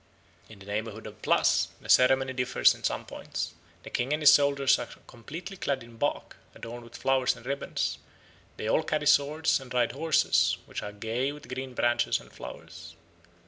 In the neighbourhood of Plas the ceremony differs in some points. The king and his soldiers are completely clad in bark, adorned with flowers and ribbons; they all carry swords and ride horses, which are gay with green branches and flowers.